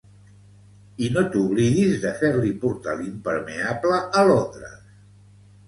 I no t'oblidis de fer-li portar l'impermeable a Londres.